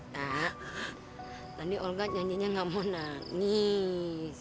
kak tadi olga janjianya gak mau nangis